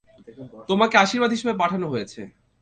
তোমাকে আশীর্বাদ হিসেবে পাঠানো হয়েছে।